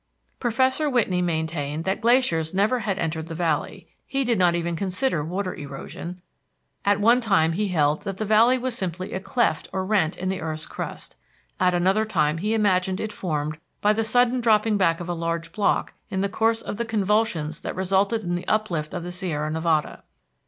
Professor Whitney maintained that glaciers never had entered the valley; he did not even consider water erosion. At one time he held that the valley was simply a cleft or rent in the earth's crust. At another time he imagined it formed by the sudden dropping back of a large block in the course of the convulsions that resulted in the uplift of the Sierra Nevada.